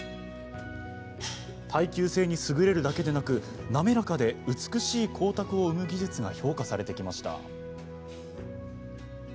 耐久性に優れるだけでなく滑らかで美しい光沢を生む技術が評価されてきました。